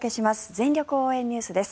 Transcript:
全力応援ＮＥＷＳです。